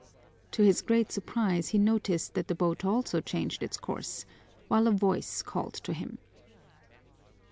To his great surprise he noticed that the boat also changed its course, while a voice called to him.